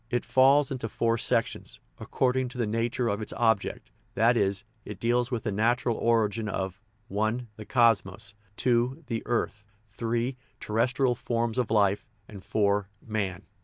It falls into four sections, according to the nature of its object; that is, it deals with the natural origin of (i) the cosmos, (2) the earth, (3) terrestrial forms of life, and (4) man.